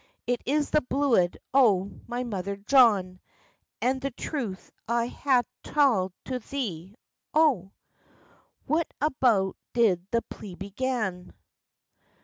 It is the bluid o' my brother John, And the truth I hae tald to thee, O." "What about did the plea begin?